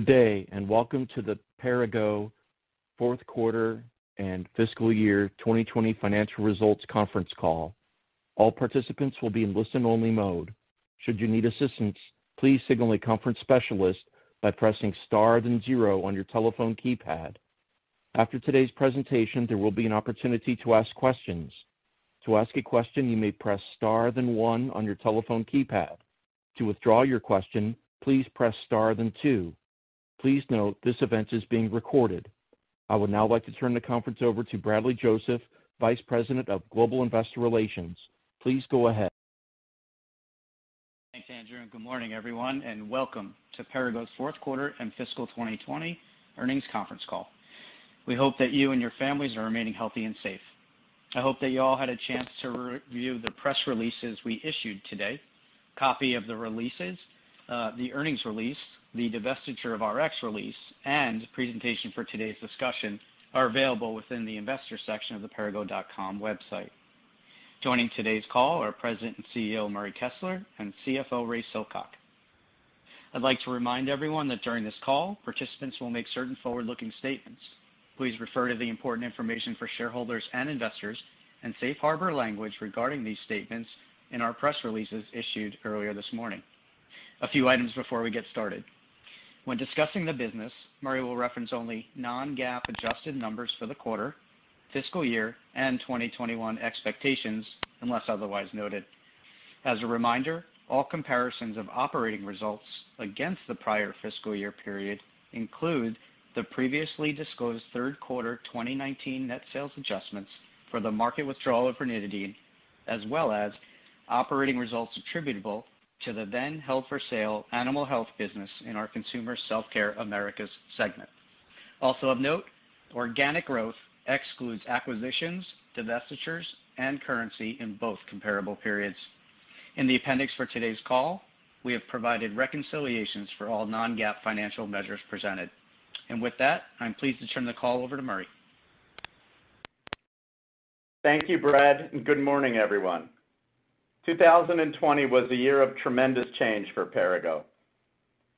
Good day, and welcome to the Perrigo Fourth Quarter and Fiscal Year 2020 financial results conference call. All participants will be in listen-only mode. Should you need assistance, please signal a conference specialist by pressing star then zero on your telephone keypad. After today's presentation, there will be an opportunity to ask questions. To ask a question, you may press star then one on your telephone keypad. To withdraw your question, please press star then two. Please note this event is being recorded. I would now like to turn the conference over to Bradley Joseph, Vice President of Global Investor Relations. Please go ahead. Thanks, Andrew. Good morning, everyone. Welcome to Perrigo's fourth quarter and fiscal 2020 earnings conference call. We hope that you and your families are remaining healthy and safe. I hope that you all had a chance to review the press releases we issued today. Copy of the releases, the earnings release, the divestiture of Rx release, presentation for today's discussion are available within the investor section of the perrigo.com website. Joining today's call are President and CEO, Murray Kessler, and CFO, Ray Silcock. I'd like to remind everyone that during this call, participants will make certain forward-looking statements. Please refer to the important information for shareholders and investors and safe harbor language regarding these statements in our press releases issued earlier this morning. A few items before we get started. When discussing the business, Murray will reference only non-GAAP adjusted numbers for the quarter, fiscal year, and 2021 expectations, unless otherwise noted. As a reminder, all comparisons of operating results against the prior fiscal year period include the previously disclosed third quarter 2019 net sales adjustments for the market withdrawal of Ranitidine as well as operating results attributable to the then held-for-sale animal health business in our Consumer Self-Care Americas segment. Of note, organic growth excludes acquisitions, divestitures, and currency in both comparable periods. In the appendix for today's call, we have provided reconciliations for all non-GAAP financial measures presented. With that, I'm pleased to turn the call over to Murray. Thank you, Brad, and good morning, everyone. 2020 was a year of tremendous change for Perrigo.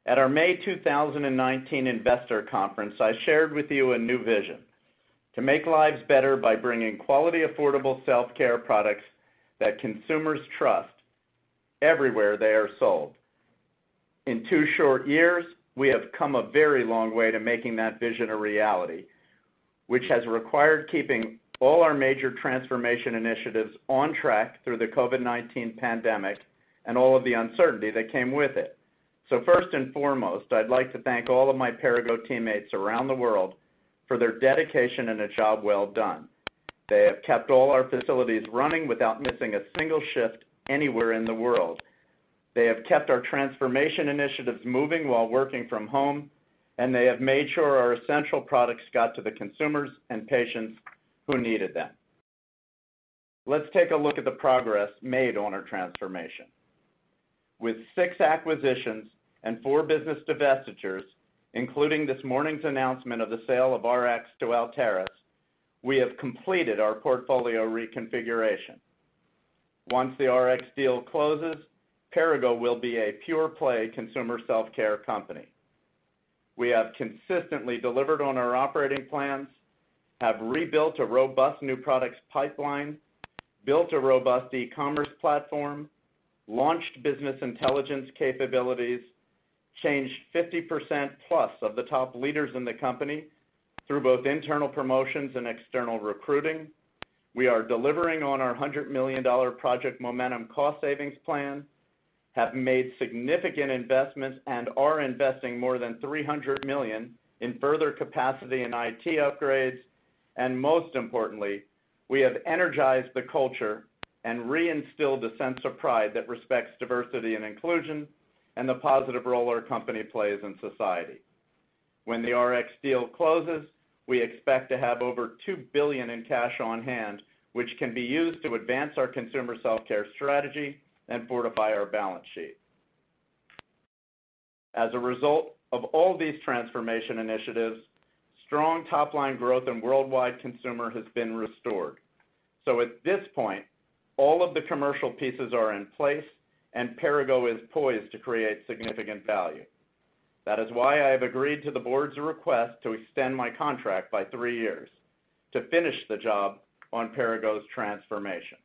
At our May 2019 Investor Conference, I shared with you a new vision: to make lives better by bringing quality, affordable self-care products that consumers trust everywhere they are sold. In two short years, we have come a very long way to making that vision a reality, which has required keeping all our major transformation initiatives on track through the COVID-19 pandemic and all of the uncertainty that came with it. First and foremost, I'd like to thank all of my Perrigo teammates around the world for their dedication and a job well done. They have kept all our facilities running without missing a single shift anywhere in the world. They have kept our transformation initiatives moving while working from home, and they have made sure our essential products got to the consumers and patients who needed them. Let's take a look at the progress made on our transformation. With six acquisitions and four business divestitures, including this morning's announcement of the sale of Rx to Altaris, we have completed our portfolio reconfiguration. Once the Rx deal closes, Perrigo will be a pure-play Consumer Self-Care Company. We have consistently delivered on our operating plans, have rebuilt a robust new products pipeline, built a robust e-commerce platform, launched business intelligence capabilities, changed 50%+ of the top leaders in the company through both internal promotions and external recruiting. We are delivering on our $100 million Project Momentum cost savings plan, have made significant investments and are investing more than $300 million in further capacity and IT upgrades. Most importantly, we have energized the culture and re-instilled a sense of pride that respects diversity and inclusion and the positive role our company plays in society. When the Rx deal closes, we expect to have over $2 billion in cash on hand, which can be used to advance our consumer self-care strategy and fortify our balance sheet. As a result of all these transformation initiatives, strong top-line growth in worldwide consumer has been restored. At this point, all of the commercial pieces are in place, and Perrigo is poised to create significant value. That is why I have agreed to the board's request to extend my contract by three years, to finish the job on Perrigo's transformation.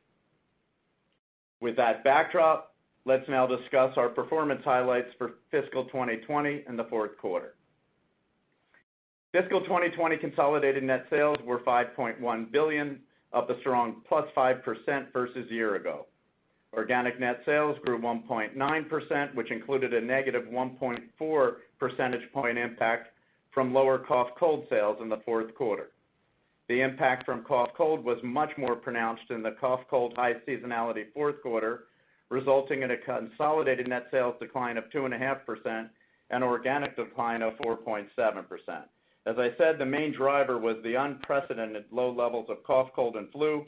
With that backdrop, let's now discuss our performance highlights for fiscal 2020 and the fourth quarter. Fiscal 2020 consolidated net sales were $5.1 billion, up a strong +5% versus year ago. Organic net sales grew 1.9%, which included a -1.4 percentage point impact from lower cough, cold sales in the fourth quarter. The impact from cough cold was much more pronounced in the cough cold high seasonality fourth quarter, resulting in a consolidated net sales decline of 2.5% and organic decline of 4.7%. As I said, the main driver was the unprecedented low levels of cough, cold, and flu,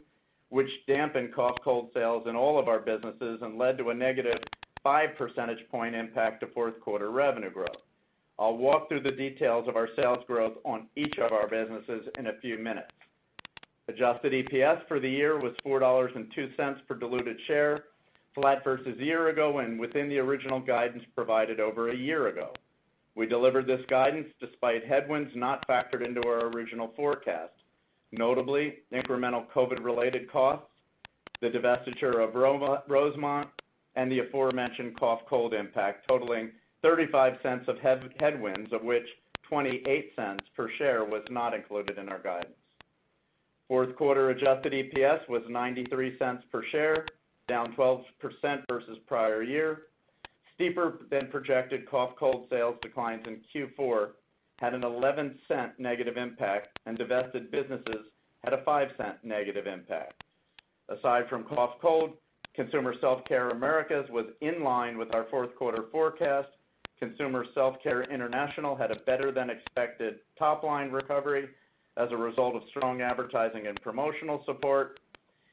which dampened cough cold sales in all of our businesses and led to a -5 percentage point impact to fourth quarter revenue growth. I'll walk through the details of our sales growth on each of our businesses in a few minutes. Adjusted EPS for the year was $4.02 per diluted share, flat versus a year ago and within the original guidance provided over a year ago. We delivered this guidance despite headwinds not factored into our original forecast. Notably, incremental COVID-related costs, the divestiture of Rosemont, and the aforementioned cough/cold impact totaling $0.35 of headwinds, of which $0.28 per share was not included in our guidance. Fourth quarter adjusted EPS was $0.93 per share, down 12% versus prior year. Steeper than projected cough/cold sales declines in Q4 had an $0.11 negative impact, and divested businesses had a $0.05 negative impact. Aside from cough/cold, Consumer Self-Care Americas was in line with our fourth quarter forecast. Consumer Self-Care International had a better than expected top-line recovery as a result of strong advertising and promotional support,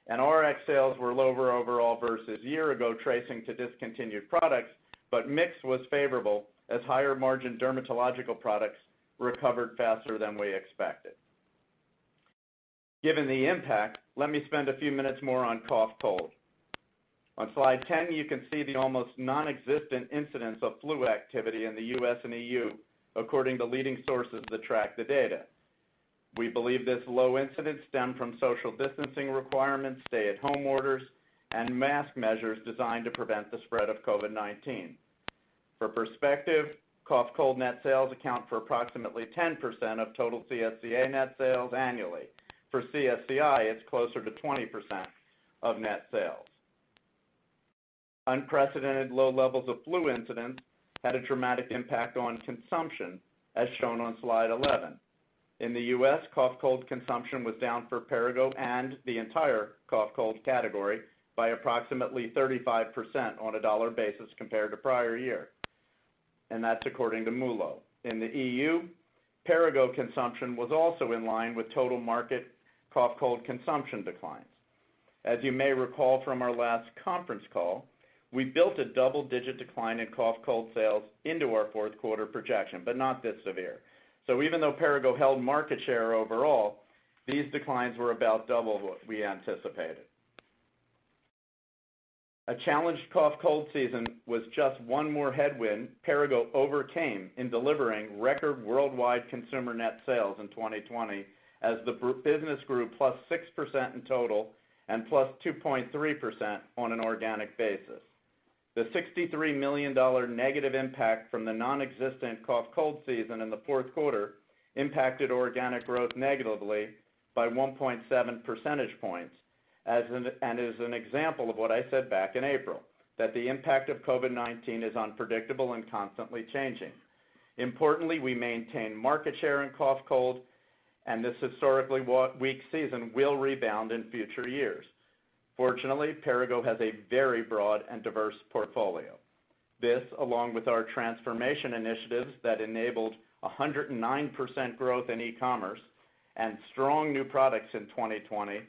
and Rx sales were lower overall versus year ago, tracing to discontinued products, but mix was favorable as higher margin dermatological products recovered faster than we expected. Given the impact, let me spend a few minutes more on cough/cold. On slide 10, you can see the almost nonexistent incidence of flu activity in the U.S. and EU, according to leading sources that track the data. We believe this low incidence stemmed from social distancing requirements, stay at home orders, and mask measures designed to prevent the spread of COVID-19. For perspective, cough/cold net sales account for approximately 10% of total CSCA net sales annually. For CSCI, it's closer to 20% of net sales. Unprecedented low levels of flu incidence had a dramatic impact on consumption, as shown on slide 11. In the U.S., cough/cold consumption was down for Perrigo and the entire cough/cold category by approximately 35% on a dollar basis compared to prior year. That's according to MULO. In the EU, Perrigo consumption was also in line with total market cough/cold consumption declines. As you may recall from our last conference call, we built a double-digit decline in cough/cold sales into our fourth quarter projection, not this severe. Even though Perrigo held market share overall, these declines were about double what we anticipated. A challenged cough/cold season was just one more headwind Perrigo overcame in delivering record worldwide consumer net sales in 2020 as the business grew +6% in total and +2.3% on an organic basis. The $63 million negative impact from the nonexistent cough/cold season in the fourth quarter impacted organic growth negatively by 1.7 percentage points, and is an example of what I said back in April, that the impact of COVID-19 is unpredictable and constantly changing. Importantly, we maintain market share in cough/cold, and this historically weak season will rebound in future years. Fortunately, Perrigo has a very broad and diverse portfolio. This, along with our transformation initiatives that enabled 109% growth in e-commerce and strong new products in 2020,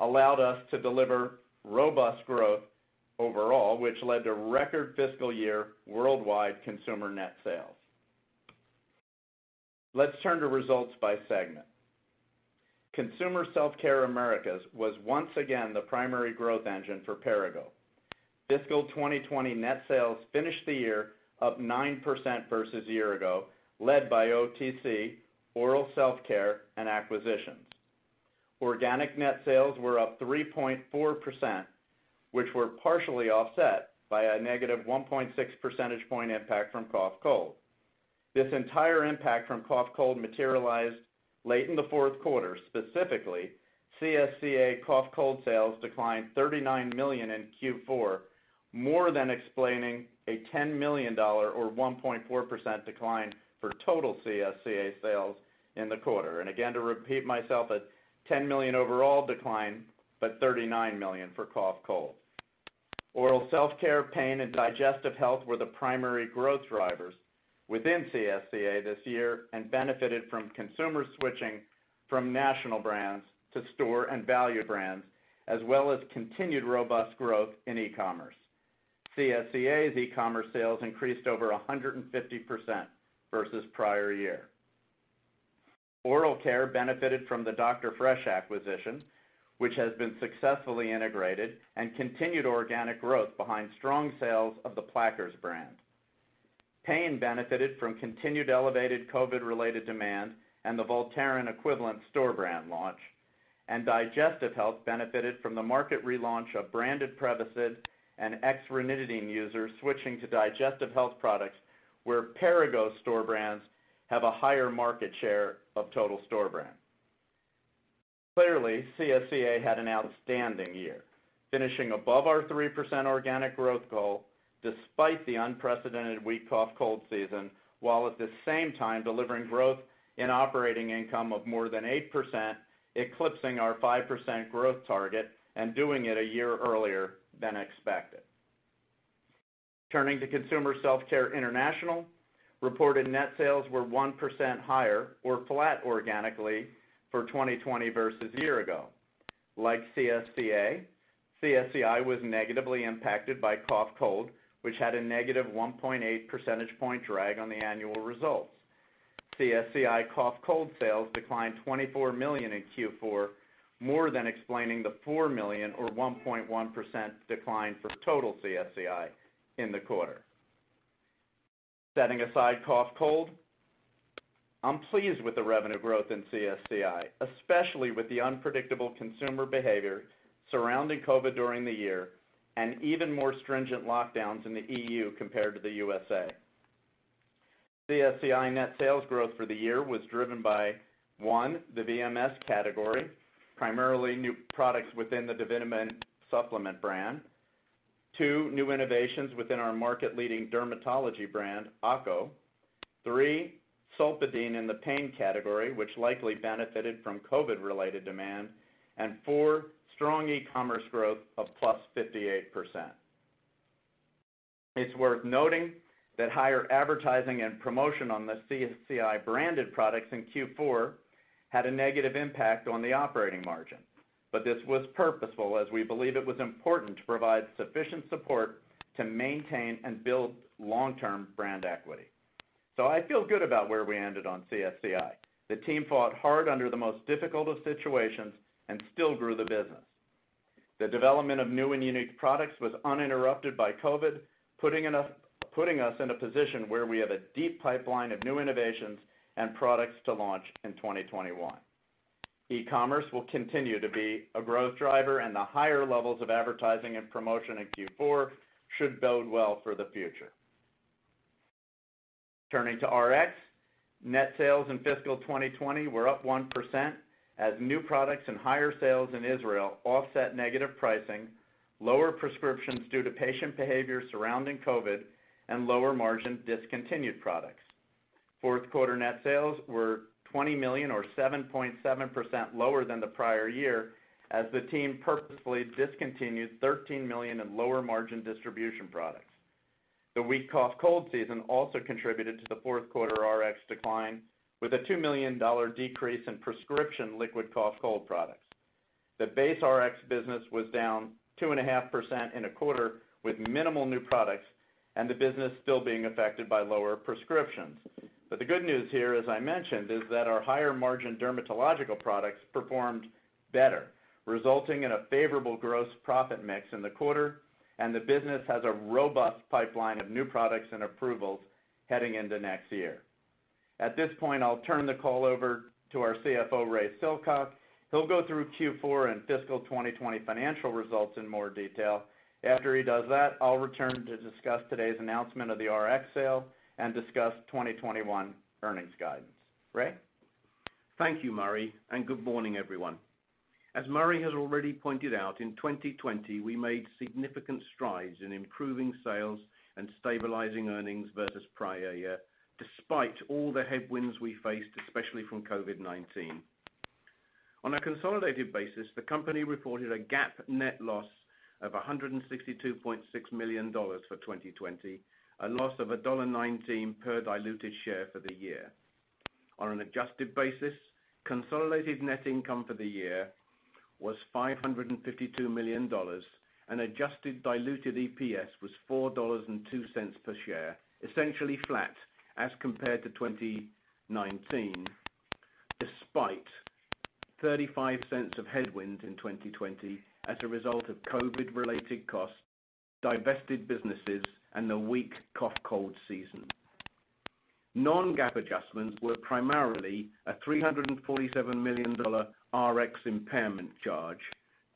allowed us to deliver robust growth overall, which led to record fiscal year worldwide consumer net sales. Let's turn to results by segment. Consumer Self-Care Americas was once again the primary growth engine for Perrigo. Fiscal 2020 net sales finished the year up 9% versus a year ago, led by OTC, oral self-care, and acquisitions. Organic net sales were up 3.4%, which were partially offset by a -1.6 percentage point impact from cough/cold. This entire impact from cough/cold materialized late in the fourth quarter. Specifically, CSCA cough/cold sales declined $39 million in Q4, more than explaining a $10 million or 1.4% decline for total CSCA sales in the quarter. Again, to repeat myself, a $10 million overall decline, but $39 million for cough/cold. Oral self-care, pain, and digestive health were the primary growth drivers within CSCA this year and benefited from consumers switching from national brands to store and value brands, as well as continued robust growth in e-commerce. CSCA's e-commerce sales increased over 150% versus prior year. Oral care benefited from the Dr. Fresh acquisition, which has been successfully integrated and continued organic growth behind strong sales of the Plackers brand. Pain benefited from continued elevated COVID-related demand and the Voltaren equivalent store brand launch. Digestive health benefited from the market relaunch of branded Prevacid and ex-ranitidine users switching to digestive health products, where Perrigo store brands have a higher market share of total store brand. Clearly, CSCA had an outstanding year, finishing above our 3% organic growth goal despite the unprecedented weak cough/cold season, while at the same time delivering growth in operating income of more than 8%, eclipsing our 5% growth target and doing it a year earlier than expected. Turning to Consumer Self-Care International, reported net sales were 1% higher or flat organically for 2020 versus a year ago. Like CSCA, CSCI was negatively impacted by cough cold, which had a -1.8 percentage point drag on the annual results. CSCI cough cold sales declined $24 million in Q4, more than explaining the $4 million or 1.1% decline for total CSCI in the quarter. Setting aside cough cold, I'm pleased with the revenue growth in CSCI, especially with the unpredictable consumer behavior surrounding COVID during the year and even more stringent lockdowns in the EU compared to the USA. CSCI net sales growth for the year was driven by, one, the VMS category, primarily new products within the Davitamon supplement brand. Two, new innovations within our market-leading dermatology brand, ACO. Three, Solpadeine in the pain category, which likely benefited from COVID-related demand. Four, strong e-commerce growth of +58%. It's worth noting that higher advertising and promotion on the CSCI branded products in Q4 had a negative impact on the operating margin. This was purposeful, as we believe it was important to provide sufficient support to maintain and build long-term brand equity. I feel good about where we ended on CSCI. The team fought hard under the most difficult of situations and still grew the business. The development of new and unique products was uninterrupted by COVID, putting us in a position where we have a deep pipeline of new innovations and products to launch in 2021. E-commerce will continue to be a growth driver, and the higher levels of advertising and promotion in Q4 should bode well for the future. Turning to Rx, net sales in fiscal 2020 were up 1% as new products and higher sales in Israel offset negative pricing, lower prescriptions due to patient behavior surrounding COVID, and lower-margin discontinued products. Fourth quarter net sales were $20 million or 7.7% lower than the prior year as the team purposefully discontinued $13 million in lower-margin distribution products. The weak cough cold season also contributed to the fourth quarter Rx decline, with a $2 million decrease in prescription liquid cough cold products. The base Rx business was down 2.5% in a quarter with minimal new products and the business still being affected by lower prescriptions. The good news here, as I mentioned, is that our higher-margin dermatological products performed better, resulting in a favorable gross profit mix in the quarter, and the business has a robust pipeline of new products and approvals heading into next year. At this point, I'll turn the call over to our CFO, Ray Silcock. He'll go through Q4 and fiscal 2020 financial results in more detail. After he does that, I'll return to discuss today's announcement of the Rx sale and discuss 2021 earnings guidance. Ray? Thank you, Murray. Good morning, everyone. As Murray has already pointed out, in 2020, we made significant strides in improving sales and stabilizing earnings versus prior year, despite all the headwinds we faced, especially from COVID-19. On a consolidated basis, the company reported a GAAP net loss of $162.6 million for 2020, a loss of $1.19 per diluted share for the year. On an adjusted basis, consolidated net income for the year was $552 million. Adjusted diluted EPS was $4.02 per share, essentially flat as compared to 2019, despite $0.35 of headwinds in 2020 as a result of COVID-related costs, divested businesses, and a weak cough cold season. Non-GAAP adjustments were primarily a $347 million Rx impairment charge,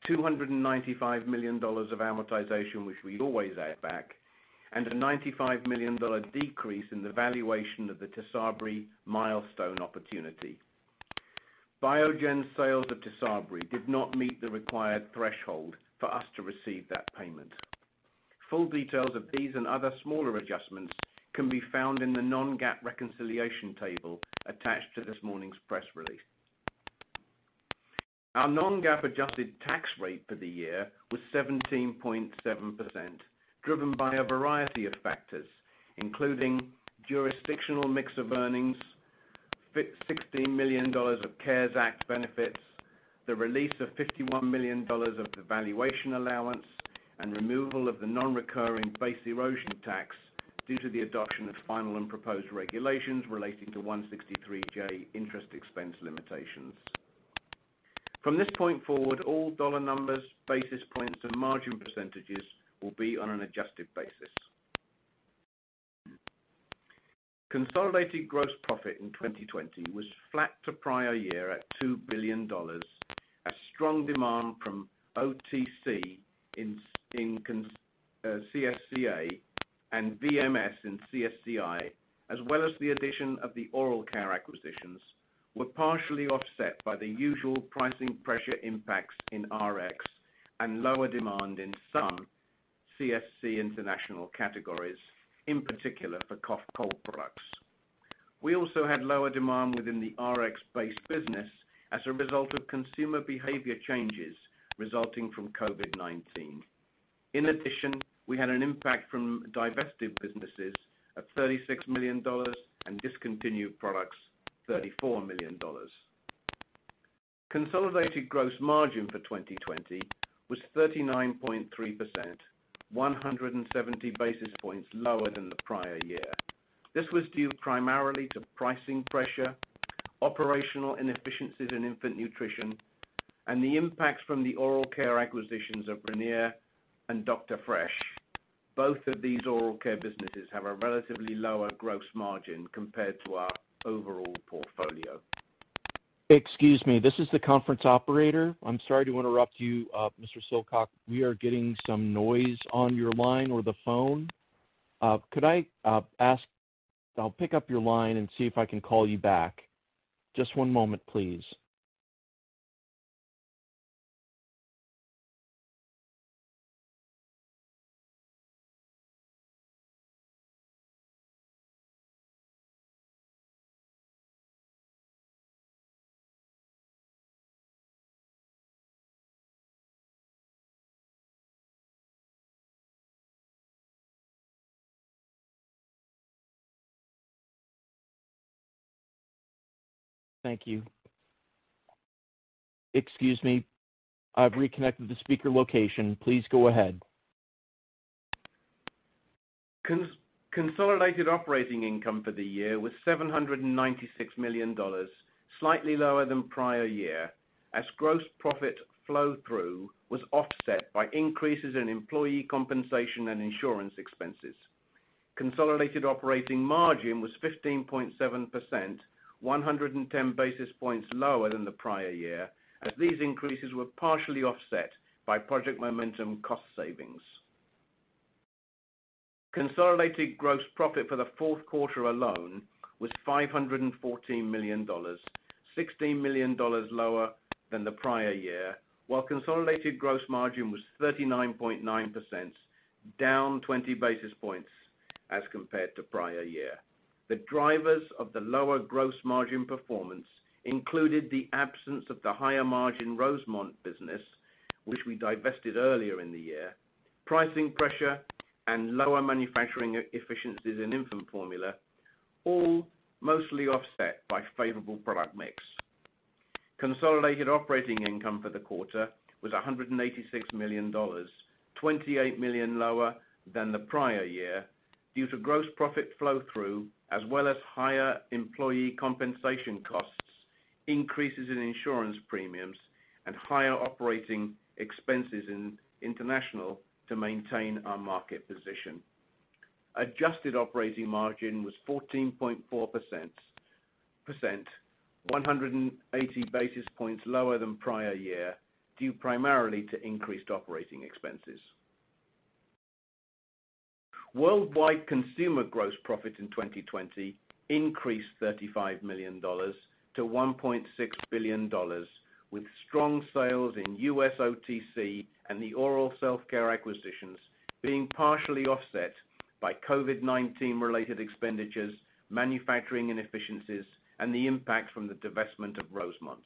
$295 million of amortization, which we always add back, and a $95 million decrease in the valuation of the Tysabri milestone opportunity. Biogen's sales of Tysabri did not meet the required threshold for us to receive that payment. Full details of these and other smaller adjustments can be found in the non-GAAP reconciliation table attached to this morning's press release. Our non-GAAP adjusted tax rate for the year was 17.7%, driven by a variety of factors, including jurisdictional mix of earnings, $16 million of CARES Act benefits, the release of $51 million of the valuation allowance, and removal of the non-recurring base erosion tax due to the adoption of final and proposed regulations relating to 163(j) interest expense limitations. From this point forward, all dollar numbers, basis points, and margin percentages will be on an adjusted basis. Consolidated gross profit in 2020 was flat to prior year at $2 billion. A strong demand from OTC in CSCA and VMS in CSCI, as well as the addition of the oral care acquisitions, were partially offset by the usual pricing pressure impacts in Rx and lower demand in some CSC International categories, in particular for cough cold products. We also had lower demand within the Rx-based business as a result of consumer behavior changes resulting from COVID-19. We had an impact from divested businesses of $36 million and discontinued products, $34 million. Consolidated gross margin for 2020 was 39.3%, 170 basis points lower than the prior year. This was due primarily to pricing pressure, operational inefficiencies in infant nutrition, and the impacts from the oral care acquisitions of Ranir and Dr. Fresh. Both of these oral care businesses have a relatively lower gross margin compared to our overall portfolio. Excuse me, this is the conference operator. I'm sorry to interrupt you, Mr. Silcock. We are getting some noise on your line or the phone. I'll pick up your line and see if I can call you back. Just one moment, please. Thank you. Excuse me. I've reconnected the speaker location. Please go ahead. Consolidated operating income for the year was $796 million, slightly lower than prior year, as gross profit flow-through was offset by increases in employee compensation and insurance expenses. Consolidated operating margin was 15.7%, 110 basis points lower than the prior year, as these increases were partially offset by Project Momentum cost savings. Consolidated gross profit for the fourth quarter alone was $514 million, $16 million lower than the prior year, while consolidated gross margin was 39.9%, down 20 basis points as compared to prior year. The drivers of the lower gross margin performance included the absence of the higher margin Rosemont business, which we divested earlier in the year, pricing pressure, and lower manufacturing efficiencies in infant formula, all mostly offset by favorable product mix. Consolidated operating income for the quarter was $186 million, $28 million lower than the prior year due to gross profit flow-through, as well as higher employee compensation costs, increases in insurance premiums, and higher operating expenses in international to maintain our market position. Adjusted operating margin was 14.4%, 180 basis points lower than prior year, due primarily to increased operating expenses. Worldwide consumer gross profit in 2020 increased $35 million to $1.6 billion, with strong sales in U.S. OTC and the oral self-care acquisitions being partially offset by COVID-19 related expenditures, manufacturing inefficiencies, and the impact from the divestment of Rosemont.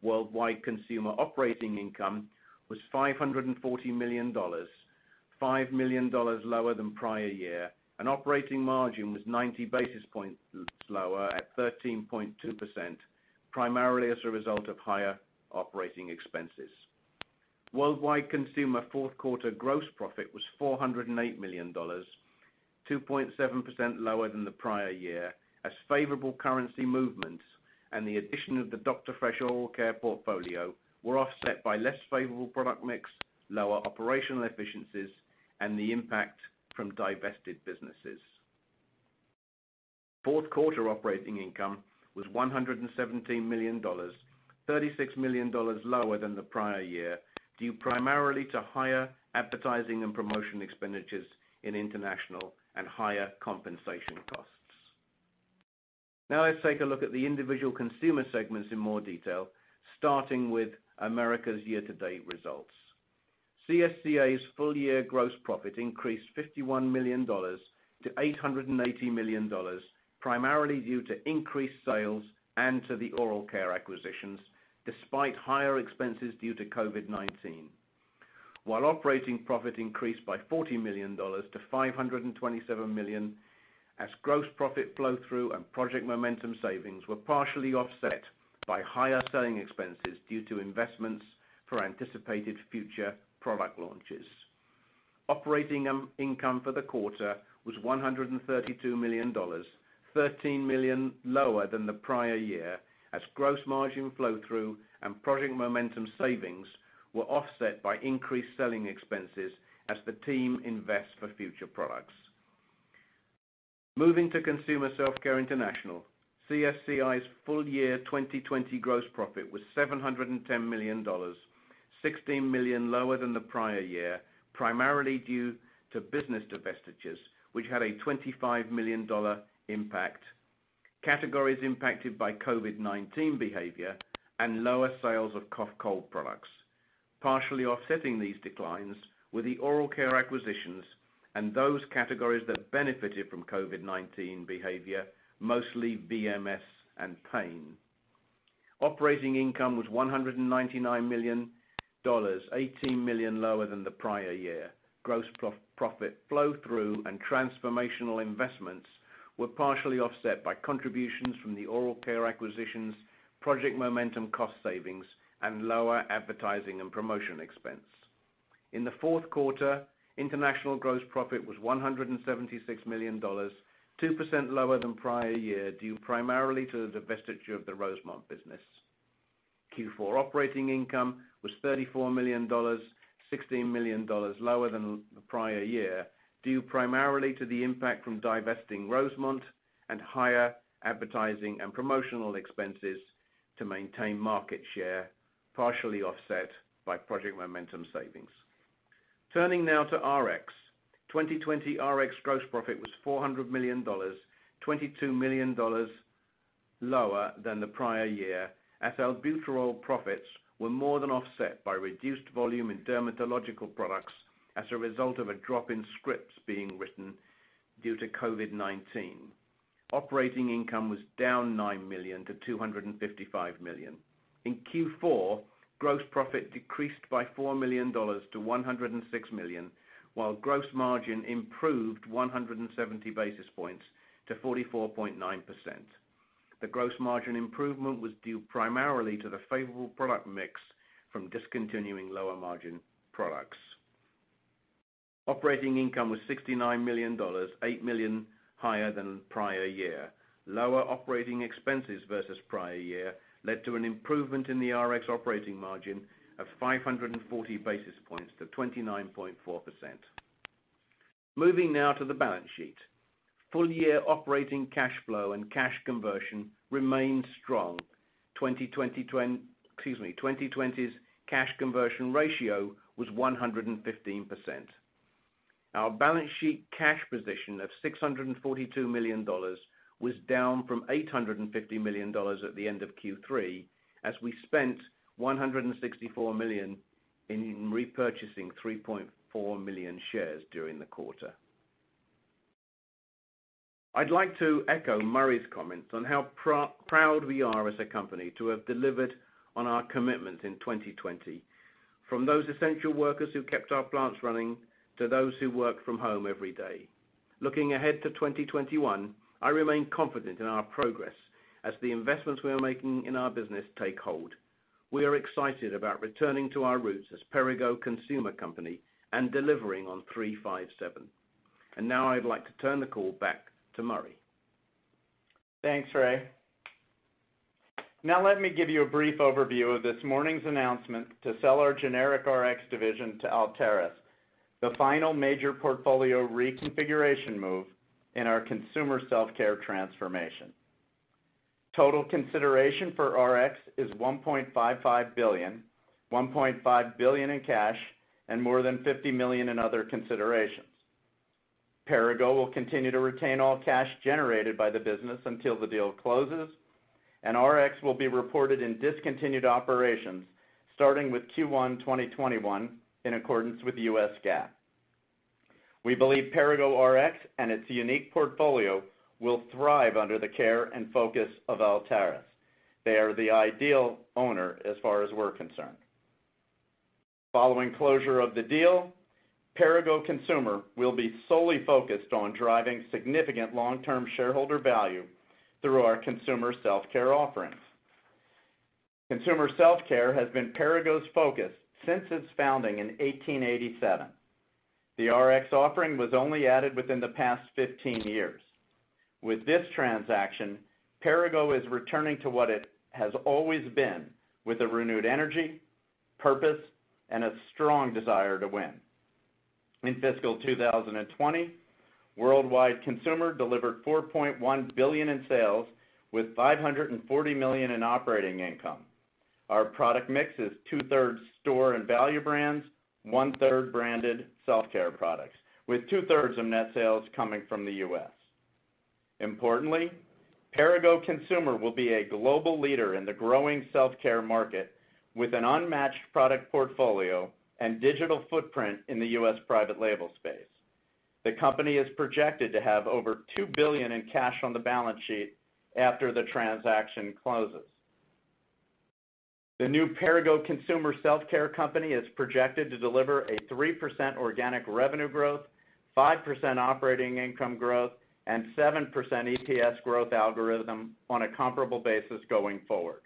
Worldwide consumer operating income was $540 million, $5 million lower than prior year, and operating margin was 90 basis points lower at 13.2%, primarily as a result of higher operating expenses. Worldwide consumer fourth quarter gross profit was $408 million, 2.7% lower than the prior year as favorable currency movements and the addition of the Dr. Fresh oral care portfolio were offset by less favorable product mix, lower operational efficiencies, and the impact from divested businesses. Fourth quarter operating income was $117 million, $36 million lower than the prior year, due primarily to higher advertising and promotion expenditures in international and higher compensation costs. Let's take a look at the individual consumer segments in more detail, starting with Americas' year-to-date results. CSCA's full-year gross profit increased $51 million to $880 million, primarily due to increased sales and to the oral care acquisitions despite higher expenses due to COVID-19. While operating profit increased by $40 million to $527 million as gross profit flow-through and Project Momentum savings were partially offset by higher selling expenses due to investments for anticipated future product launches. Operating income for the quarter was $132 million, $13 million lower than the prior year as gross margin flow-through and Project Momentum savings were offset by increased selling expenses as the team invests for future products. Moving to Consumer Self-Care International, CSCI's full year 2020 gross profit was $710 million, $16 million lower than the prior year, primarily due to business divestitures, which had a $25 million impact, categories impacted by COVID-19 behavior, and lower sales of cough cold products. Partially offsetting these declines were the oral care acquisitions and those categories that benefited from COVID-19 behavior, mostly VMS and pain. Operating income was $199 million, $18 million lower than the prior year. Gross profit flow through and transformational investments were partially offset by contributions from the oral care acquisitions, Project Momentum cost savings, and lower advertising and promotion expense. In the fourth quarter, international gross profit was $176 million, 2% lower than prior year due primarily to the divestiture of the Rosemont business. Q4 operating income was $34 million, $16 million lower than the prior year, due primarily to the impact from divesting Rosemont and higher advertising and promotional expenses to maintain market share, partially offset by Project Momentum savings. Turning now to Rx. 2020 Rx gross profit was $400 million, $22 million lower than the prior year, as albuterol profits were more than offset by reduced volume in dermatological products as a result of a drop in scripts being written due to COVID-19. Operating income was down $9 million to $255 million. In Q4, gross profit decreased by $4 million to $106 million, while gross margin improved 170 basis points to 44.9%. The gross margin improvement was due primarily to the favorable product mix from discontinuing lower-margin products. Operating income was $69 million, $8 million higher than prior year. Lower operating expenses versus prior year led to an improvement in the Rx operating margin of 540 basis points to 29.4%. Moving now to the balance sheet. Full-year operating cash flow and cash conversion remained strong. 2020's cash conversion ratio was 115%. Our balance sheet cash position of $642 million was down from $850 million at the end of Q3, as we spent $164 million in repurchasing 3.4 million shares during the quarter. I'd like to echo Murray's comments on how proud we are as a company to have delivered on our commitment in 2020, from those essential workers who kept our plants running to those who work from home every day. Looking ahead to 2021, I remain confident in our progress as the investments we are making in our business take hold. We are excited about returning to our roots as Perrigo Consumer Company and delivering on 3/5/7. Now I'd like to turn the call back to Murray. Thanks, Ray. Let me give you a brief overview of this morning's announcement to sell our generic Rx division to Altaris, the final major portfolio reconfiguration move in our consumer self-care transformation. Total consideration for Rx is $1.55 billion, $1.5 billion in cash and more than $50 million in other considerations. Perrigo will continue to retain all cash generated by the business until the deal closes, and Rx will be reported in discontinued operations starting with Q1 2021 in accordance with U.S. GAAP. We believe Perrigo Rx and its unique portfolio will thrive under the care and focus of Altaris. They are the ideal owner as far as we're concerned. Following closure of the deal, Perrigo Consumer will be solely focused on driving significant long-term shareholder value through our consumer self-care offerings. Consumer Self-Care has been Perrigo's focus since its founding in 1887. The Rx offering was only added within the past 15 years. With this transaction, Perrigo is returning to what it has always been, with a renewed energy, purpose, and a strong desire to win. In fiscal 2020, Worldwide Consumer delivered $4.1 billion in sales with $540 million in operating income. Our product mix is two-thirds store and value brands, one-third branded self-care products, with 2/3 of net sales coming from the U.S. Importantly, Perrigo Consumer will be a global leader in the growing self-care market with an unmatched product portfolio and digital footprint in the U.S. private label space. The company is projected to have over $2 billion in cash on the balance sheet after the transaction closes. The new Perrigo Consumer Self-Care Company is projected to deliver a 3% organic revenue growth, 5% operating income growth, and 7% EPS growth algorithm on a comparable basis going forward.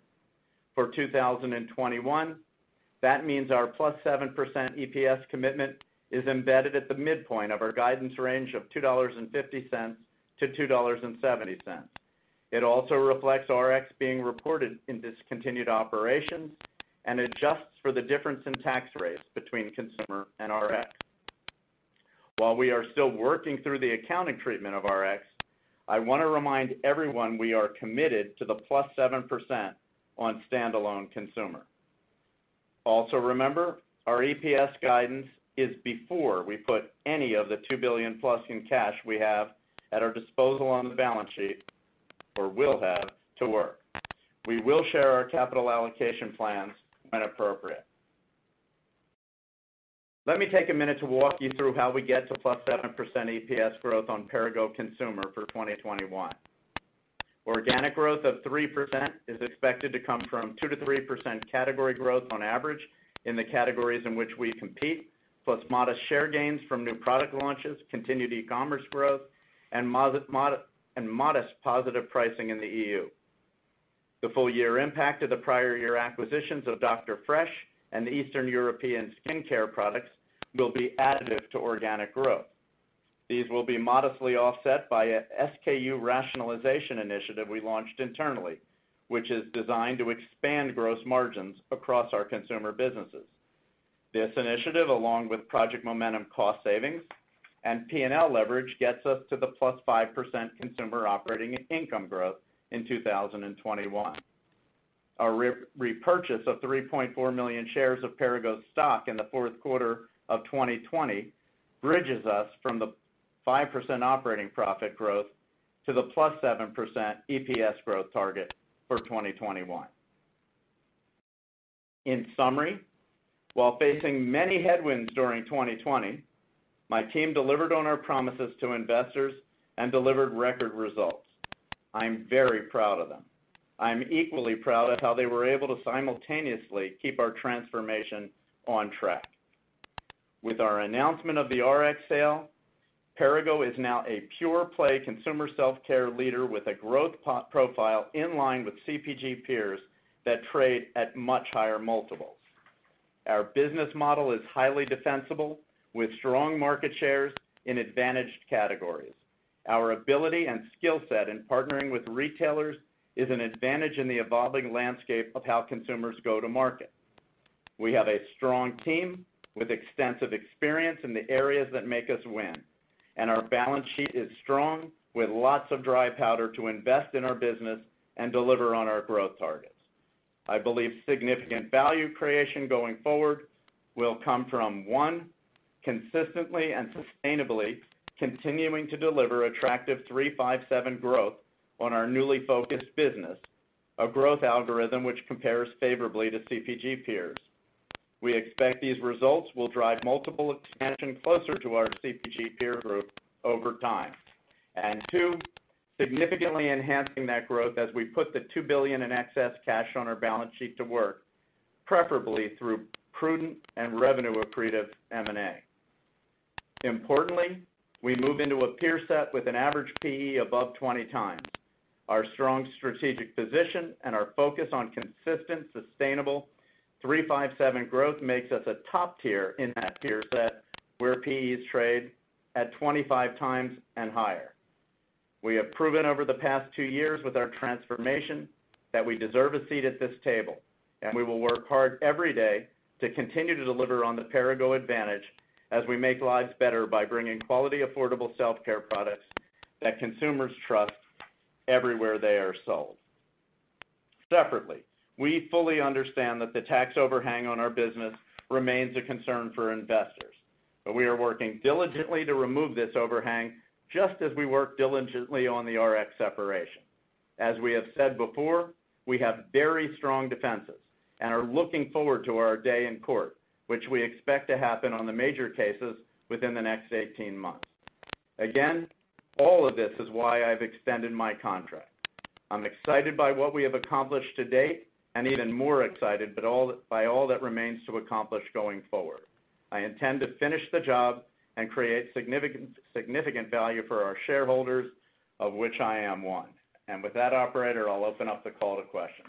For 2021, that means our +7% EPS commitment is embedded at the midpoint of our guidance range of $2.50-$2.70. It also reflects Rx being reported in discontinued operations and adjusts for the difference in tax rates between Consumer and Rx. While we are still working through the accounting treatment of Rx, I want to remind everyone we are committed to the +7% on standalone Consumer. Also remember, our EPS guidance is before we put any of the $2 billion+ in cash we have at our disposal on the balance sheet, or will have, to work. We will share our capital allocation plans when appropriate. Let me take a minute to walk you through how we get to +7% EPS growth on Perrigo Consumer for 2021. Organic growth of 3% is expected to come from 2%-3% category growth on average in the categories in which we compete, plus modest share gains from new product launches, continued e-commerce growth, and modest positive pricing in the EU. The full year impact of the prior year acquisitions of Dr. Fresh and the Eastern European skincare products will be additive to organic growth. These will be modestly offset by a SKU rationalization initiative we launched internally, which is designed to expand gross margins across our consumer businesses. This initiative, along with Project Momentum cost savings and P&L leverage, gets us to the +5% consumer operating income growth in 2021. Our repurchase of 3.4 million shares of Perrigo stock in the fourth quarter of 2020 bridges us from the 5% operating profit growth to the +7% EPS growth target for 2021. In summary, while facing many headwinds during 2020, my team delivered on our promises to investors and delivered record results. I'm very proud of them. I'm equally proud of how they were able to simultaneously keep our transformation on track. With our announcement of the Rx sale, Perrigo is now a pure-play consumer self-care leader with a growth profile in line with CPG peers that trade at much higher multiples. Our business model is highly defensible, with strong market shares in advantaged categories. Our ability and skill set in partnering with retailers is an advantage in the evolving landscape of how consumers go to market. We have a strong team with extensive experience in the areas that make us win, and our balance sheet is strong with lots of dry powder to invest in our business and deliver on our growth targets. I believe significant value creation going forward will come from, one, consistently and sustainably continuing to deliver attractive 3/5/7 growth on our newly focused business, a growth algorithm which compares favorably to CPG peers. We expect these results will drive multiple expansion closer to our CPG peer group over time. Two, significantly enhancing that growth as we put the $2 billion in excess cash on our balance sheet to work, preferably through prudent and revenue accretive M&A. Importantly, we move into a peer set with an average PE above 20x. Our strong strategic position and our focus on consistent, sustainable 3/5/7 growth makes us a top tier in that peer set, where PEs trade at 25x and higher. We have proven over the past two years with our transformation that we deserve a seat at this table, and we will work hard every day to continue to deliver on the Perrigo advantage as we make lives better by bringing quality, affordable self-care products that consumers trust everywhere they are sold. Separately, we fully understand that the tax overhang on our business remains a concern for investors, but we are working diligently to remove this overhang just as we worked diligently on the Rx separation. As we have said before, we have very strong defenses and are looking forward to our day in court, which we expect to happen on the major cases within the next 18 months. Again, all of this is why I've extended my contract. I'm excited by what we have accomplished to date and even more excited by all that remains to accomplish going forward. I intend to finish the job and create significant value for our shareholders, of which I am one. With that, Operator, I'll open up the call to questions.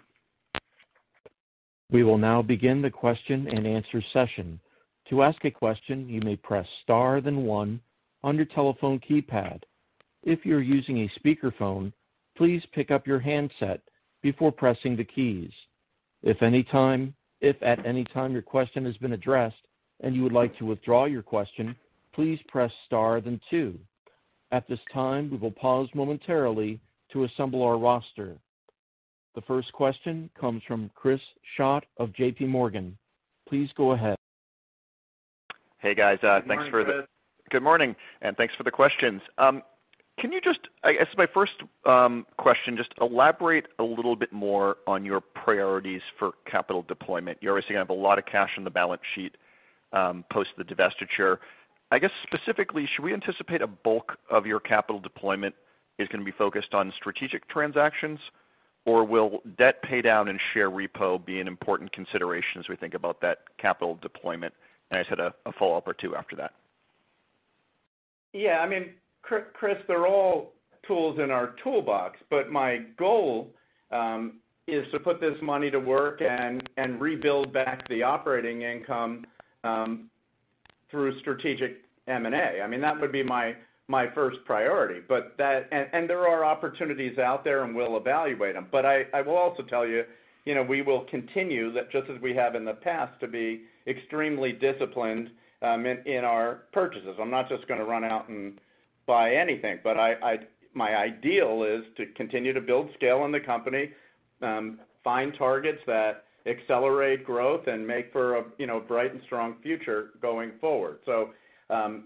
We will now begin the question and answer session. To ask a question, you may press star, then one on your telephone keypad. If you're using a speakerphone, please pick up your handset before pressing the keys. If at any time your question has been addressed and you would like to withdraw your question, please press star, then two. At this time, we will pause momentarily to assemble our roster. The first question comes from Chris Schott of JPMorgan. Please go ahead. Hey, guys. Good morning, Chris. Good morning. Thanks for the questions. As my first question, just elaborate a little bit more on your priorities for capital deployment. You already have a lot of cash on the balance sheet post the divestiture. I guess specifically, should we anticipate a bulk of your capital deployment is going to be focused on strategic transactions, or will debt paydown and share repo be an important consideration as we think about that capital deployment? I just had a follow-up or two after that. Yeah. I mean, Chris, they're all tools in our toolbox. My goal is to put this money to work and rebuild back the operating income through strategic M&A. That would be my first priority. There are opportunities out there, and we'll evaluate them. I will also tell you, we will continue, just as we have in the past, to be extremely disciplined in our purchases. I'm not just going to run out and buy anything. My ideal is to continue to build scale in the company, find targets that accelerate growth and make for a bright and strong future going forward.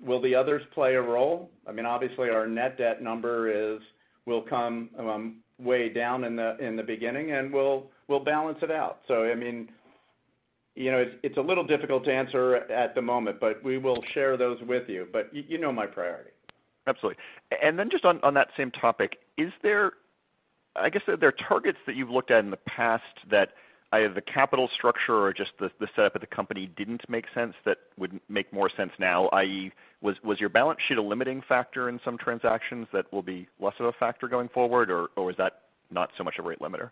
Will the others play a role? Obviously, our net debt number will come way down in the beginning, and we'll balance it out. It's a little difficult to answer at the moment, but we will share those with you. You know my priority. Absolutely. Just on that same topic, I guess, are there targets that you've looked at in the past that either the capital structure or just the setup of the company didn't make sense that would make more sense now? i.e., was your balance sheet a limiting factor in some transactions that will be less of a factor going forward, or is that not so much a rate limiter?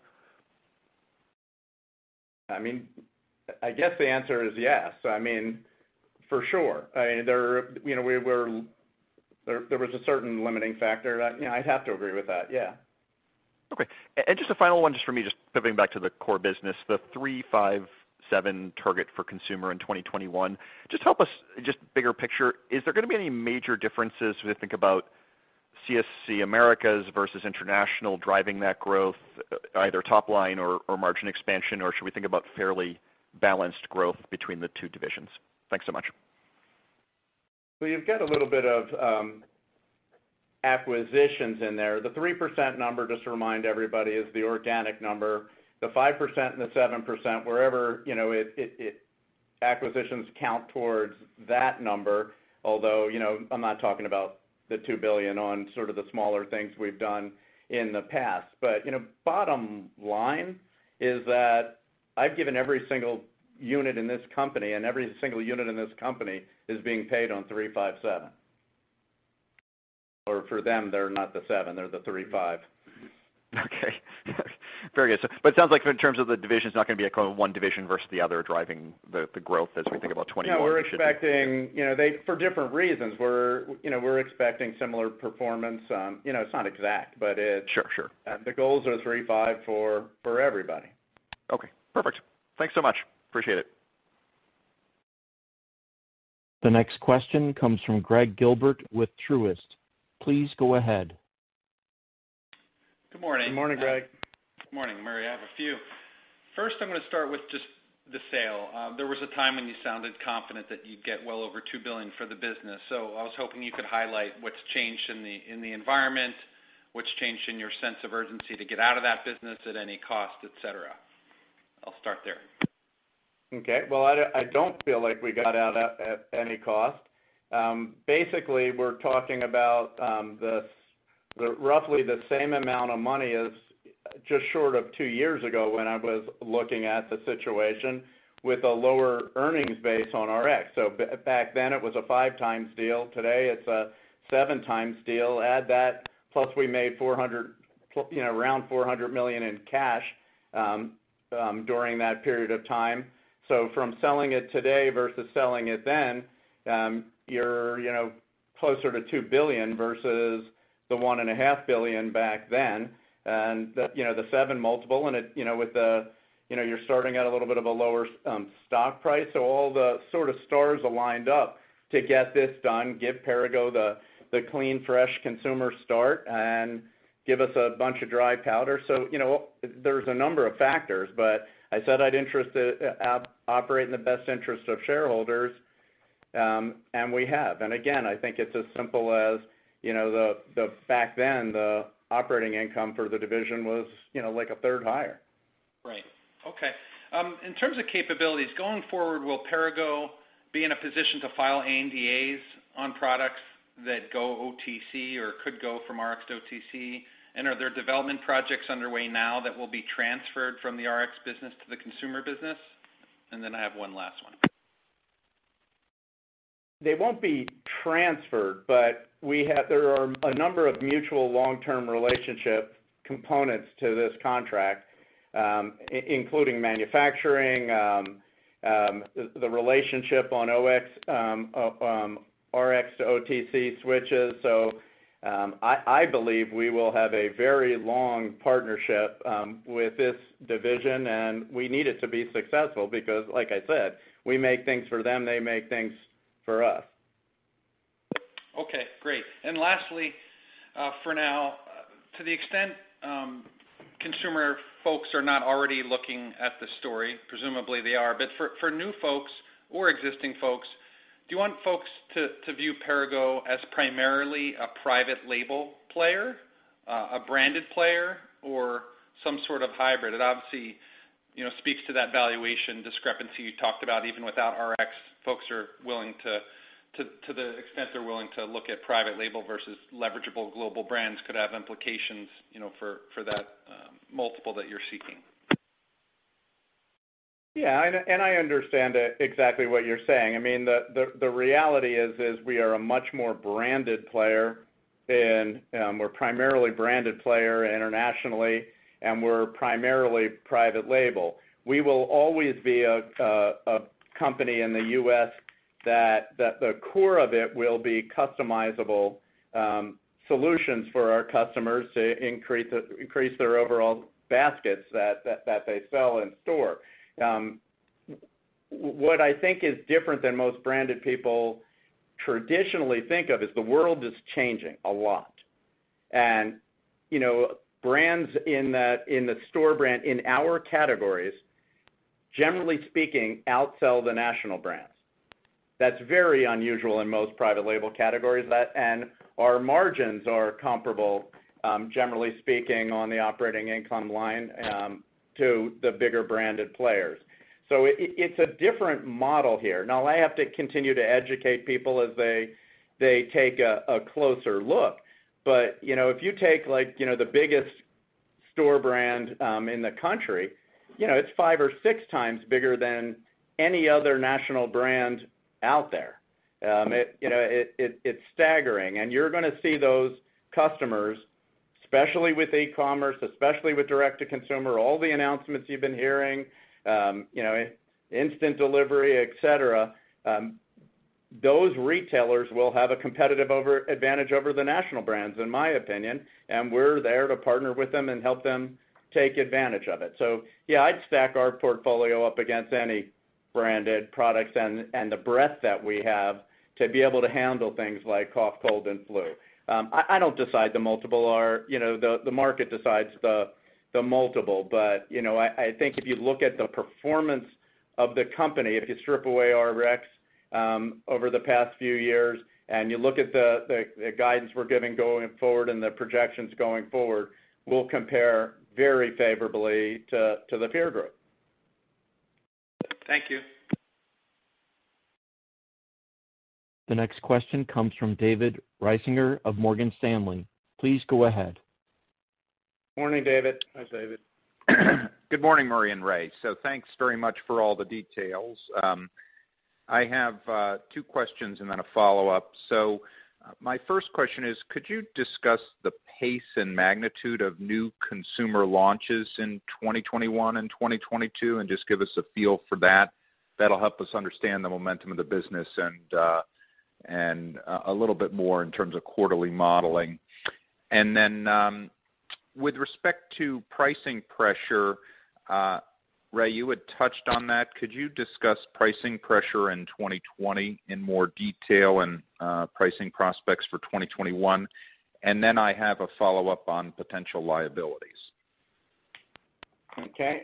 I guess the answer is yes. For sure. There was a certain limiting factor. I'd have to agree with that, yeah. Okay. Just a final one just for me, just pivoting back to the core business, the 3/5/7 target for consumer in 2021. Just help us, just bigger picture, is there going to be any major differences when we think about CSC Americas versus international driving that growth, either top line or margin expansion, or should we think about fairly balanced growth between the two divisions? Thanks so much. You've got a little bit of acquisitions in there. The 3% number, just to remind everybody, is the organic number. The 5% and the 7%, wherever, acquisitions count towards that number, although, I'm not talking about the $2 billion on sort of the smaller things we've done in the past. Bottom line is that I've given every single unit in this company, and every single unit in this company is being paid on three, five, seven. Or for them, they're not the seven, they're the three, five. Okay. Very good. It sounds like in terms of the divisions, it's not going to be one division versus the other driving the growth as we think about 2021. No, we're expecting for different reasons. We're expecting similar performance. It's not exact. Sure. The goals are 3/5 for everybody. Okay, perfect. Thanks so much. Appreciate it. The next question comes from Gregg Gilbert with Truist. Please go ahead. Good morning. Good morning, Gregg. Good morning, Murray. I have a few. I'm going to start with just the sale. There was a time when you sounded confident that you'd get well over $2 billion for the business. I was hoping you could highlight what's changed in the environment, what's changed in your sense of urgency to get out of that business at any cost, et cetera. I'll start there. Okay. Well, I don't feel like we got out at any cost. Basically, we're talking about roughly the same amount of money as just short of two years ago when I was looking at the situation with a lower earnings base on Rx. Back then, it was a 5x deal. Today, it's a 7x deal. Add that, plus we made around $400 million in cash during that period of time. From selling it today versus selling it then, you're closer to $2 billion versus the $1.5 billion back then. The seven multiple, and you're starting at a little bit of a lower stock price. All the sort of stars aligned up to get this done, give Perrigo the clean, fresh consumer start, and give us a bunch of dry powder. There's a number of factors, but I said I'd operate in the best interest of shareholders, and we have. Again, I think it's as simple as back then, the operating income for the division was like 1/3 higher. Right. Okay. In terms of capabilities, going forward, will Perrigo be in a position to file ANDAs on products that go OTC or could go from Rx to OTC? Are there development projects underway now that will be transferred from the Rx business to the consumer business? I have one last one. They won't be transferred, but there are a number of mutual long-term relationship components to this contract, including manufacturing, the relationship on Rx to OTC switches. I believe we will have a very long partnership with this division, and we need it to be successful because, like I said, we make things for them, they make things for us. Okay, great. Lastly, for now, to the extent consumer folks are not already looking at the story, presumably they are, but for new folks or existing folks, do you want folks to view Perrigo as primarily a private label player, a branded player, or some sort of hybrid? It obviously speaks to that valuation discrepancy you talked about even without Rx, to the extent they're willing to look at private label versus leverageable global brands could have implications for that multiple that you're seeking. I understand exactly what you're saying. The reality is we are a much more branded player, and we're primarily branded player internationally, and we're primarily private label. We will always be a company in the U.S. that the core of it will be customizable solutions for our customers to increase their overall baskets that they sell in store. What I think is different than most branded people traditionally think of is the world is changing a lot. Brands in the store brand in our categories, generally speaking, outsell the national brands. That's very unusual in most private label categories. Our margins are comparable, generally speaking, on the operating income line to the bigger branded players. It's a different model here. I have to continue to educate people as they take a closer look, but if you take the biggest store brand in the country, it's 5x or 6x bigger than any other national brand out there. It's staggering. You're going to see those customers, especially with e-commerce, especially with direct to consumer, all the announcements you've been hearing, instant delivery, et cetera, those retailers will have a competitive advantage over the national brands, in my opinion, and we're there to partner with them and help them take advantage of it. Yeah, I'd stack our portfolio up against any branded products and the breadth that we have to be able to handle things like cough, cold, and flu. I don't decide the multiple, the market decides the multiple. I think if you look at the performance of the company, if you strip away Rx over the past few years, and you look at the guidance we're giving going forward and the projections going forward, we'll compare very favorably to the peer group. Thank you. The next question comes from David Risinger of Morgan Stanley. Please go ahead. Morning, David. Hi, David. Good morning, Murray and Ray. Thanks very much for all the details. I have two questions and then a follow-up. My first question is, could you discuss the pace and magnitude of new consumer launches in 2021 and 2022 and just give us a feel for that? That'll help us understand the momentum of the business and a little bit more in terms of quarterly modeling. With respect to pricing pressure, Ray, you had touched on that. Could you discuss pricing pressure in 2020 in more detail and pricing prospects for 2021? I have a follow-up on potential liabilities. Okay.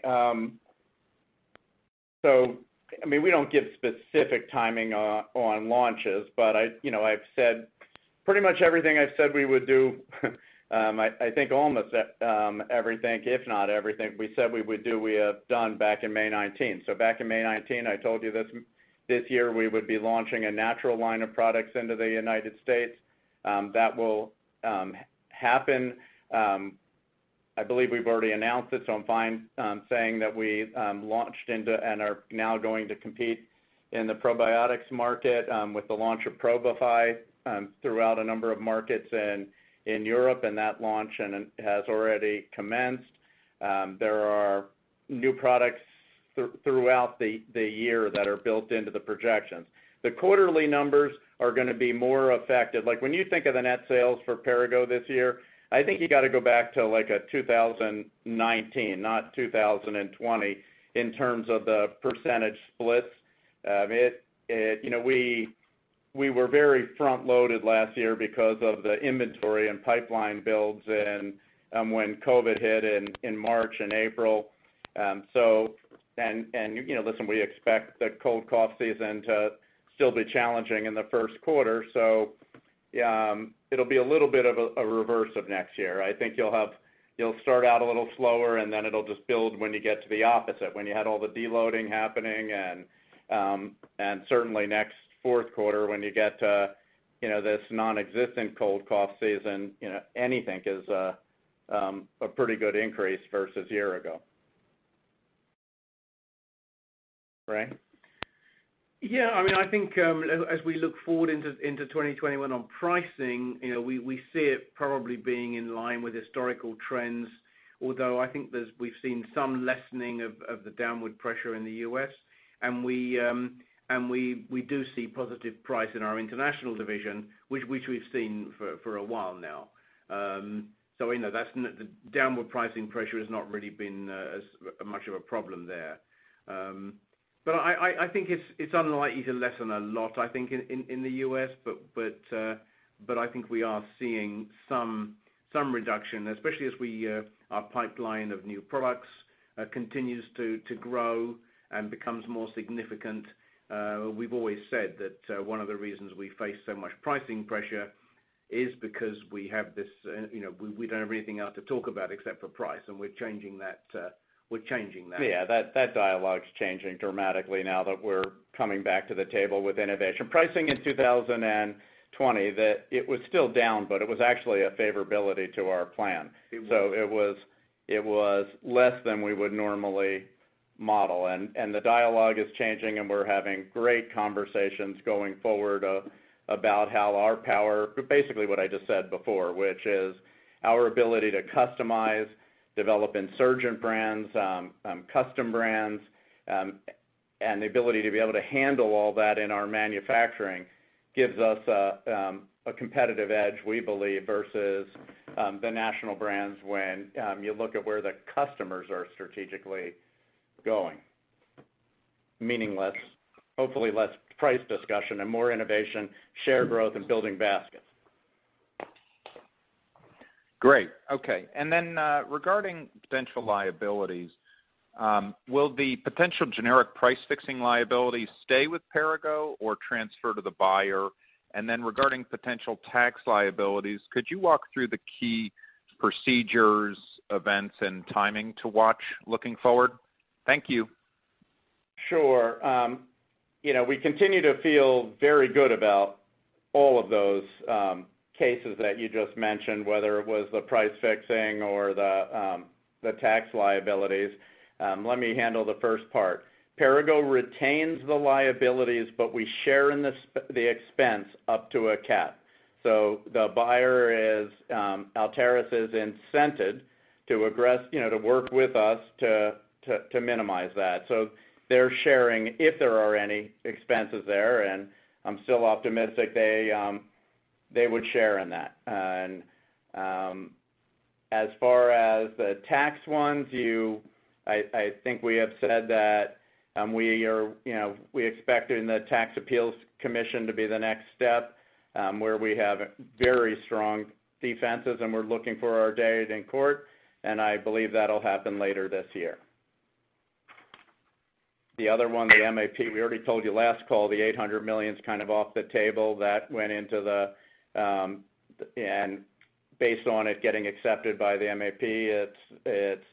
We don't give specific timing on launches, but pretty much everything I said we would do, I think almost everything, if not everything we said we would do, we have done back in May 2019. Back in May 2019, I told you this year we would be launching a natural line of products into the U.S. That will happen. I believe we've already announced this, I'm fine saying that we launched into and are now going to compete in the probiotics market with the launch of Probify throughout a number of markets in Europe. That launch has already commenced. There are new products throughout the year that are built into the projections. The quarterly numbers are going to be more affected. When you think of the net sales for Perrigo this year, I think you got to go back to like 2019, not 2020, in terms of the percentage splits. We were very front-loaded last year because of the inventory and pipeline builds and when COVID hit in March and April. Listen, we expect the cold-cough season to still be challenging in the first quarter, it'll be a little bit of a reverse of next year. I think you'll start out a little slower, then it'll just build when you get to the opposite, when you had all the de-loading happening and certainly next fourth quarter when you get to this non-existent cold-cough season, anything is a pretty good increase versus a year ago. Ray? Yeah, I think as we look forward into 2021 on pricing, we see it probably being in line with historical trends, although I think we've seen some lessening of the downward pressure in the U.S., and we do see positive price in our international division, which we've seen for a while now. The downward pricing pressure has not really been as much of a problem there. I think it's unlikely to lessen a lot, I think, in the U.S., but I think we are seeing some reduction, especially as our pipeline of new products continues to grow and becomes more significant. We've always said that one of the reasons we face so much pricing pressure is because we don't have anything else to talk about except for price, and we're changing that. Yeah, that dialogue's changing dramatically now that we're coming back to the table with innovation. Pricing in 2020, it was still down, but it was actually a favorability to our plan. It was less than we would normally model, and the dialogue is changing, and we're having great conversations going forward about how our power, basically what I just said before, which is our ability to customize, develop insurgent brands, custom brands, and the ability to be able to handle all that in our manufacturing gives us a competitive edge, we believe, versus the national brands when you look at where the customers are strategically going. Meaningless. Hopefully less price discussion and more innovation, share growth and building baskets. Great. Okay. Regarding potential liabilities, will the potential generic price fixing liability stay with Perrigo or transfer to the buyer? Regarding potential tax liabilities, could you walk through the key procedures, events, and timing to watch looking forward? Thank you. Sure. We continue to feel very good about all of those cases that you just mentioned, whether it was the price fixing or the tax liabilities. Let me handle the first part. Perrigo retains the liabilities. We share in the expense up to a cap. The buyer, Altaris, is incented to work with us to minimize that. They're sharing, if there are any expenses there. I'm still optimistic they would share in that. As far as the tax ones, I think we have said that we are expecting the Tax Appeals Commission to be the next step, where we have very strong defenses. We're looking for our day in court. I believe that'll happen later this year. The other one, the MAP, we already told you last call, the $800 million's kind of off the table. That went into the, and based on it getting accepted by the MAP, it's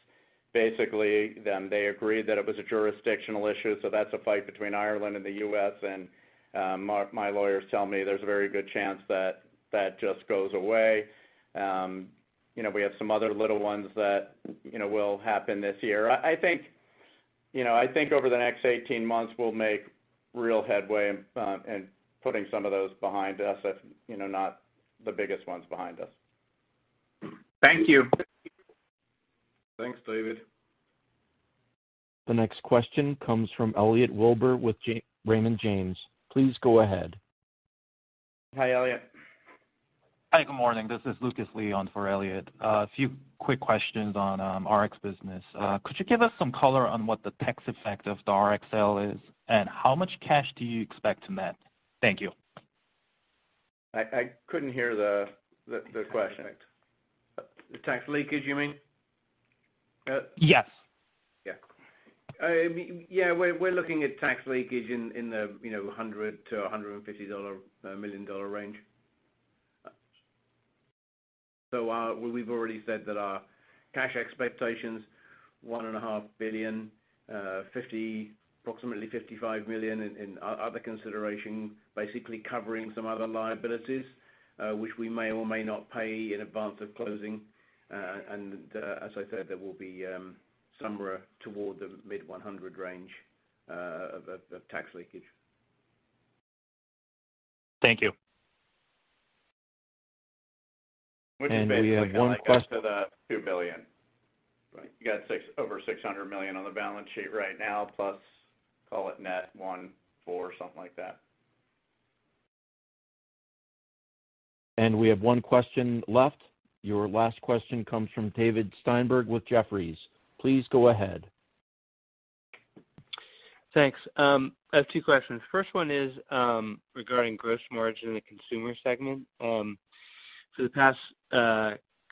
basically them. They agreed that it was a jurisdictional issue, so that's a fight between Ireland and the U.S., and my lawyers tell me there's a very good chance that just goes away. We have some other little ones that will happen this year. I think over the next 18 months, we'll make real headway in putting some of those behind us, if not the biggest ones behind us. Thank you. Thanks, David. The next question comes from Elliot Wilbur with Raymond James. Please go ahead. Hi, Elliot. Hi, good morning. This is Lucas Lee on for Elliot. A few quick questions on Rx business. Could you give us some color on what the tax effect of the Rx sale is, and how much cash do you expect to net? Thank you. I couldn't hear the question. Sorry. The tax leakage, you mean? Yes. We're looking at tax leakage in the $100 million-$150 million range. We've already said that our cash expectations, $1.5 billion, approximately $55 million in other consideration, basically covering some other liabilities, which we may or may not pay in advance of closing. As I said, there will be somewhere toward the mid-$100 million range of tax leakage. Thank you. Which basically comes- We have one. up to the $2 billion. You got over $600 million on the balance sheet right now, plus, call it net $1.4 billion, something like that. We have one question left. Your last question comes from David Steinberg with Jefferies. Please go ahead. Thanks. I have two questions. First one is, regarding gross margin in the consumer segment. For the past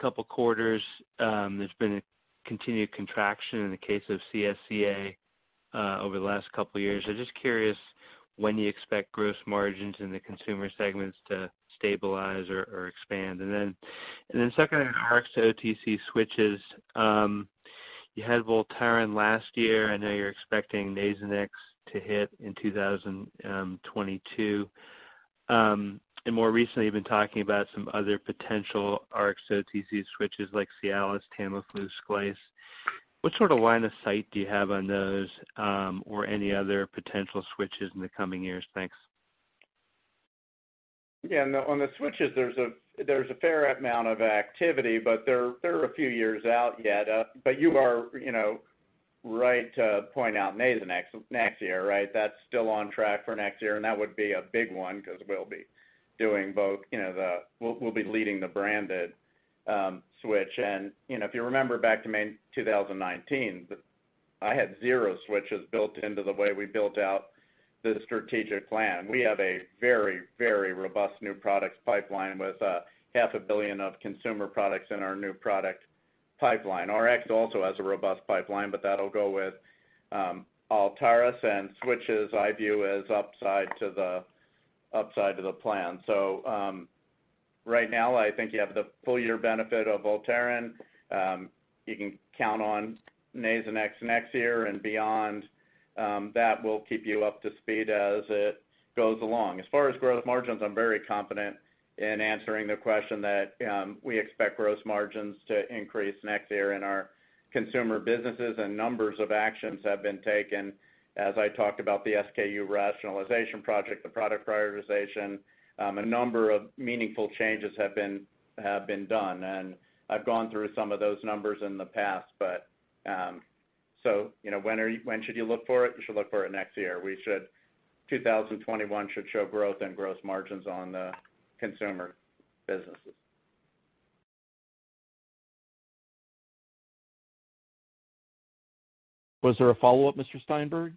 couple quarters, there's been a continued contraction in the case of CSCA over the last couple years. I'm just curious when you expect gross margins in the consumer segments to stabilize or expand. Second, Rx-to-OTC switches. You had Voltaren last year. I know you're expecting Nasonex to hit in 2022. More recently, you've been talking about some other potential Rx-to-OTC switches like Cialis, Tamiflu space. What sort of line of sight do you have on those, or any other potential switches in the coming years? Thanks. Yeah, on the switches, there's a fair amount of activity. They're a few years out yet. You are right to point out Nasonex next year, right? That's still on track for next year. That would be a big one because we'll be leading the branded switch. If you remember back to May 2019, I had zero switches built into the way we built out the strategic plan. We have a very, very robust new products pipeline with half a billion of consumer products in our new product pipeline. Rx also has a robust pipeline. That'll go with Altaris. Switches I view as upside to the plan. Right now, I think you have the full year benefit of Voltaren. You can count on Nasonex next year and beyond. That will keep you up to speed as it goes along. As far as gross margins, I'm very confident in answering the question that we expect gross margins to increase next year in our consumer businesses. Numbers of actions have been taken. As I talked about the SKU rationalization project, the product prioritization, a number of meaningful changes have been done. I've gone through some of those numbers in the past. When should you look for it? You should look for it next year. 2021 should show growth and gross margins on the consumer businesses. Was there a follow-up, Mr. Steinberg?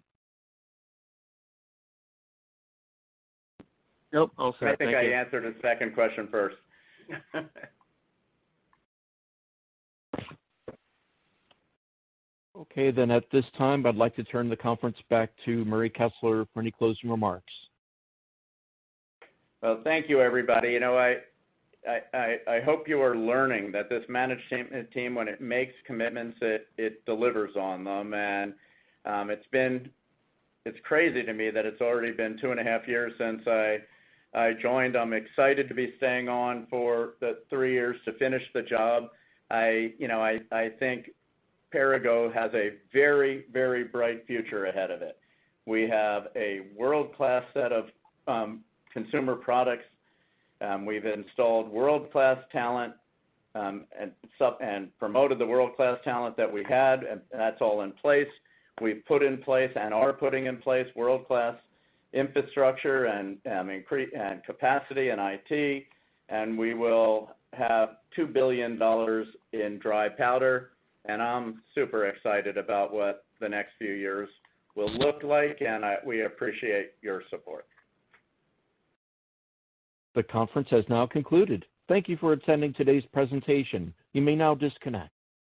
Nope. Okay. Thank you. I think I answered his second question first. At this time, I'd like to turn the conference back to Murray Kessler for any closing remarks. Well, thank you, everybody. I hope you are learning that this management team, when it makes commitments, it delivers on them. It's crazy to me that it's already been two and a half years since I joined. I'm excited to be staying on for the three years to finish the job. I think Perrigo has a very, very bright future ahead of it. We have a world-class set of consumer products. We've installed world-class talent, and promoted the world-class talent that we had, and that's all in place. We've put in place and are putting in place world-class infrastructure and capacity and IT, and we will have $2 billion in dry powder, and I'm super excited about what the next few years will look like, and we appreciate your support. The conference has now concluded. Thank you for attending today's presentation. You may now disconnect.